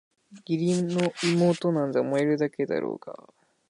義理の妹なんざ萌えるだけだろうがあ！